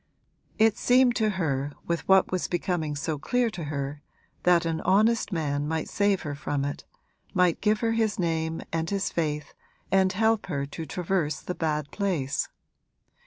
'It seemed to her, with what was becoming so clear to her, that an honest man might save her from it, might give her his name and his faith and help her to traverse the bad place.